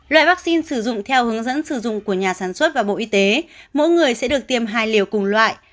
loại vaccine sử dụng theo hướng dẫn sử dụng của nhà sản xuất và bộ y tế mỗi người sẽ được tiêm hai liều cùng loại